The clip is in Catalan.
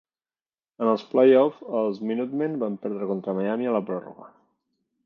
En els playoffs els Minutemen van perdre contra Miami a la pròrroga.